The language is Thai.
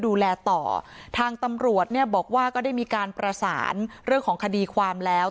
ดูแลต่อทางตำรวจเนี่ยบอกว่าก็ได้มีการประสานเรื่องของคดีความแล้ว